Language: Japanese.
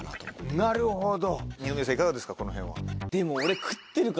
なるほど。